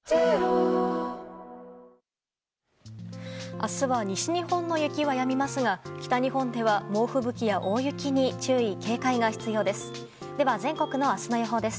明日は西日本の雪はやみますが北日本では猛吹雪や大雪に注意・警戒が必要です。